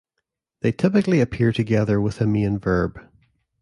They typically appear together with a main verb.